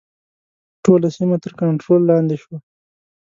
ټوله سیمه تر کنټرول لاندې شوه.